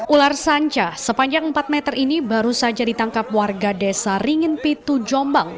ular sanca sepanjang empat meter ini baru saja ditangkap warga desa ringin pitu jombang